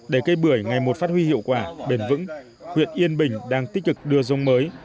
để cây bưởi ngày một phát huy hiệu quả bền vững huyện yên bình đang tích cực đưa giống mới